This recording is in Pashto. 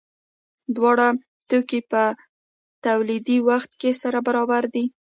دواړه توکي په تولیدي وخت کې سره برابر دي.